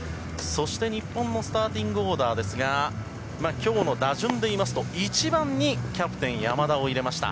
日本のスターティングオーダーですが今日の打順でいいますと１番にキャプテンの山田を入れました。